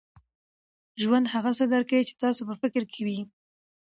ژوند هغه څه درکوي، چي ستاسو په فکر کي وي.